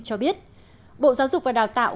cho biết bộ giáo dục và đào tạo